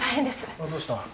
あどうした？